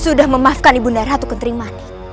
sudah memaafkan budara tukung terima